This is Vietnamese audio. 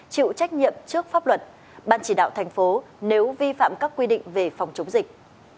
chịu trách nhiệm trước pháp luật ban chỉ đạo thành phố nếu vi phạm các quy định về phòng chống dịch